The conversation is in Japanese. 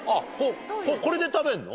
これで食べんの？